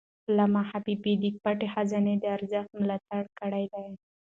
علامه حبيبي د پټه خزانه د ارزښت ملاتړ کړی دی.